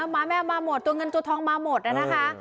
หมาแมวมาหมดตัวเงินตัวทองมาหมดนะคะ